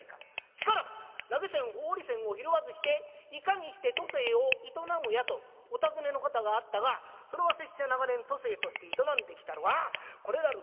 しからば投げ銭放り銭を拾わずしていかにして渡世を営むやとお尋ねの方があったがそれは拙者長年渡世として営んできたるはこれなる